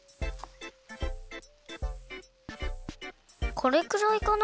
これくらいかな？